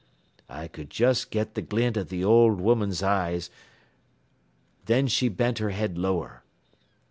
"I cud jest get th' glint av th' old woman's eyes, then she bent her head lower.